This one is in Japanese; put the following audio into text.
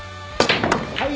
はい！